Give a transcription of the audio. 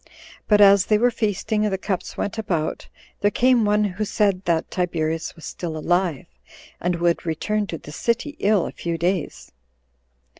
But as they were feasting, and the cups went about, there came one who said that Tiberius was still alive, and would return to the city in a few days.